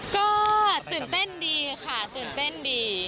ก็ตื่นเต้นดีค่ะตื่นเต้นดี